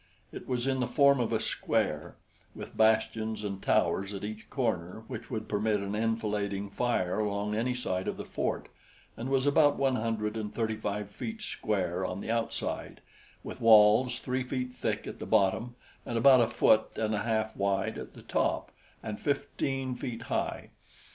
It was in the form of a square, with bastions and towers at each corner which would permit an enfilading fire along any side of the fort, and was about one hundred and thirty five feet square on the outside, with walls three feet thick at the bottom and about a foot and a half wide at the top, and fifteen feet high.